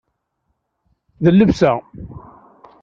D llebsa.